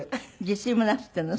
自炊もなすってんの？